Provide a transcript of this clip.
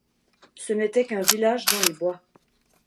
Ce n'était qu'un village dans les bois.